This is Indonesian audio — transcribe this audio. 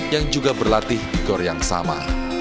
yang juga berlatih di gor yang sama